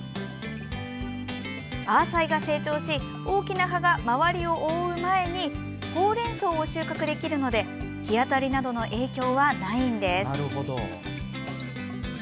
アーサイが成長し大きな葉が周りを覆う前にほうれんそうを収穫できるので日当たりなどの影響はないんです。